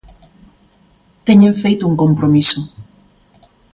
Teñen feito un compromiso.